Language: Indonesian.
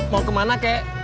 mau kemana kek